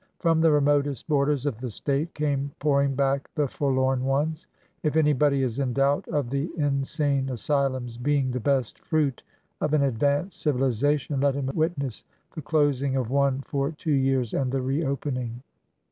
From the remotest borders of the State came pouring back the for lorn ones. If anybody is in doubt of the insane asylums' being the best fruit of an advanced civilization, let him witness the closing of one for two years and the re opening.